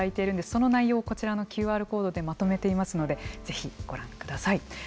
その内容をこちらのＱＲコードでまとめていますのでぜひ、ご覧ください。